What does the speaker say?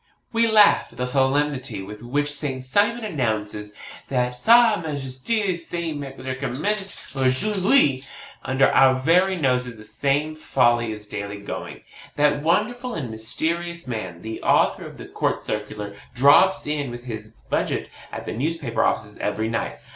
We laugh at the solemnity with which Saint Simon announces that SA MAJESTE SE MEDICAMENTE AUJOURD'HUI. Under our very noses the same folly is daily going on. That wonderful and mysterious man, the author of the COURT CIRCULAR, drops in with his budget at the newspaper offices every night.